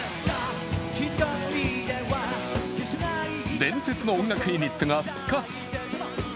伝説の音楽ユニットが復活。